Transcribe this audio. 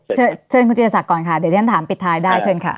เชิญคุณจิรศักดิ์ก่อนค่ะเดี๋ยวที่ฉันถามปิดท้ายได้เชิญค่ะ